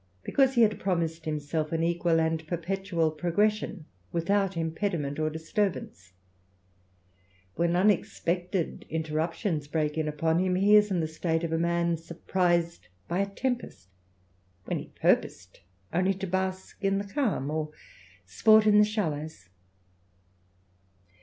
because he had promised himself an equal and perpetuaL progression without impediment or disturbance; wheiK unexpected interruptions break in upon him, he is in the state of a man surprised by a tempest, where he purposed only to bask in the calm, or sport in the shallows.